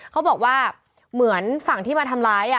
เขาบอกว่าเหมือนฝั่งที่มาทำร้าย